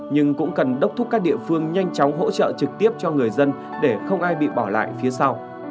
nhưng cũng cần đốc thúc các địa phương nhanh chóng hỗ trợ trực tiếp cho người dân để không ai bị bỏ lại phía sau